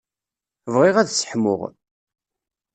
Bɣiɣ ad sseḥmuɣ.